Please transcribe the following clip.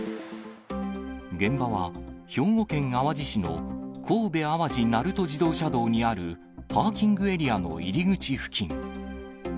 現場は兵庫県淡路市の神戸淡路鳴門自動車道にあるパーキングエリアの入り口付近。